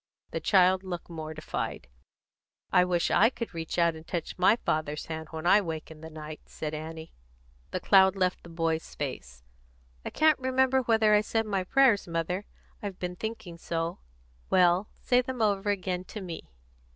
The child looked mortified. "I wish I could reach out and touch my father's hand when I wake in the night," said Annie. The cloud left the boy's face. "I can't remember whether I said my prayers, mother, I've been thinking so." "Well, say them over again, to me."